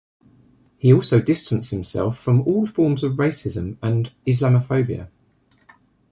He also distanced himself from all forms of racism and Islamophobia.